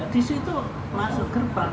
di situ masuk gerbang